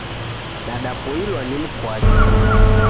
Nadapoilwa ni mkwachu.